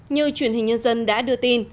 như truyền hình nhân dân đã đưa tin